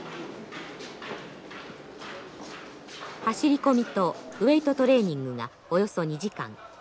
走り込みとウエイトトレーニングがおよそ２時間。